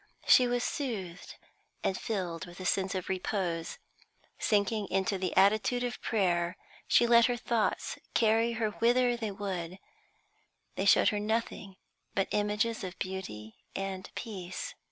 She was soothed and filled with a sense of repose. Sinking into the attitude of prayer, she let her thoughts carry her whither they would; they showed her nothing but images of beauty and peace.